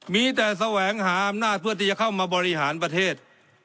มีแต่แสวงหาอำนาจเพื่อที่จะเข้ามาบริหารประเทศ